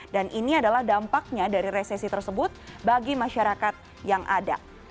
dan ini adalah dampaknya dari resesi tersebut bagi masyarakat yang ada